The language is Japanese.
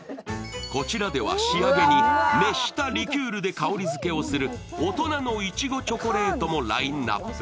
こちらでは仕上げに熱したリキュールで香りづけをする大人のいちごチョコレートもラインナップ。